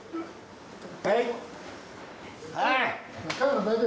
はい！